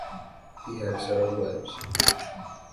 He had several wives.